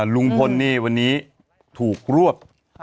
ลุงพลนี่วันนี้ถูกรวบ